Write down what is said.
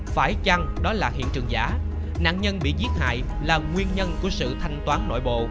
phải chăng đó là hiện trường giả nạn nhân bị giết hại là nguyên nhân của sự thanh toán nội bộ